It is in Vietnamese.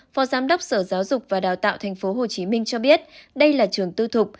phó giám đốc sở giáo dục và đào tạo tp hcm cho biết đây là trường tư thục